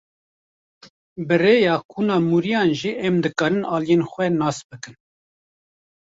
Bi rêya kuna mûriyan jî em dikarin aliyên xwe nas bikin.